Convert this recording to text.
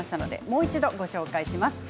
もう一度ご紹介します。